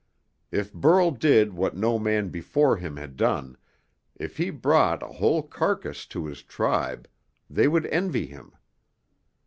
If Burl did what no man before him had done, if he brought a whole carcass to his tribe, they would envy him.